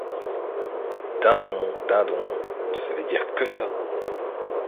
Din don, din don; vous ne savez dire que ça.